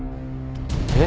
えっ？